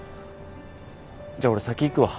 じゃあ俺先行くわ。